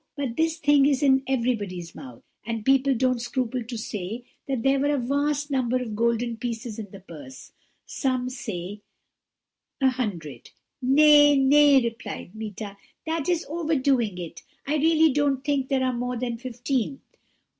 But this thing is in everybody's mouth, and people don't scruple to say that there were a vast number of golden pieces in the purse some say a hundred.' "'Nay, nay,' replied Meeta, 'that is overdoing it; I really don't think there are more than fifteen.'